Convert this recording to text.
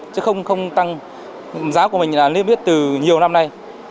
chứ không tăng giá của mình là liên viết từ nhiều năm nay